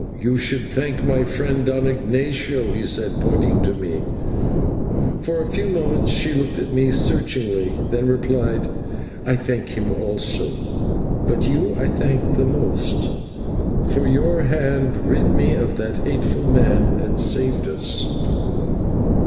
"You should thank my friend, Don Ignatio," he said, pointing to me. For a few moments she looked at me searchingly, then replied, "I thank him also, but you I thank the most, for your hand rid me of that hateful man and saved us."